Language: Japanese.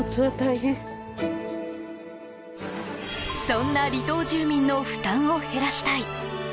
そんな離島住民の負担を減らしたい。